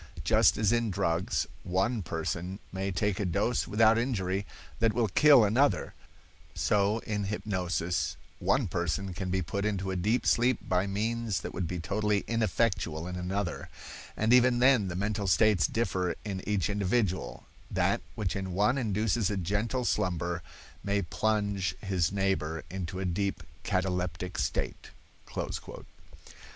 Just as in drugs, one person may take a dose without injury that will kill another, so in hypnosis, one person can be put into a deep sleep by means that would be totally ineffectual in another, and even then the mental states differ in each individual—that which in one induces a gentle slumber may plunge his neighbor into a deep cataleptic state."